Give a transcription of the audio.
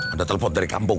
ada telepon dari kampung